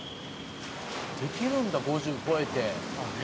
「できるんだ５０超えて」